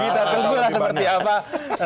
kita tunggulah seperti apa